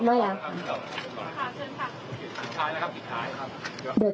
สุดท้ายนะครับสุดท้าย